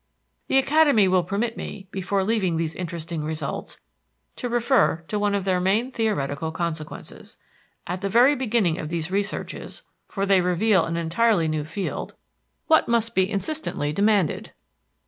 The Academy will permit me, before leaving these interesting results, to refer to one of their main theoretical consequences. At the very beginning of these researches, for they reveal an entirely new field, what must be insistently demanded?